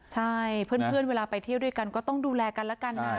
ใช่เพื่อนเวลาไปเที่ยวด้วยกันก็ต้องดูแลกันแล้วกันนะ